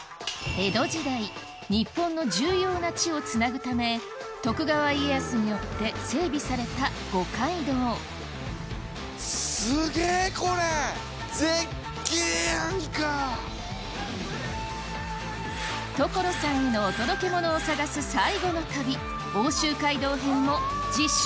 江戸時代日本の重要な地をつなぐため徳川家康によって整備された五街道所さんへのお届けモノを探す最後の旅奥州街道編も次週